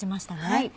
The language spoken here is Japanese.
はい。